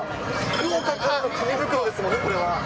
福岡からの紙袋ですもんね、これは。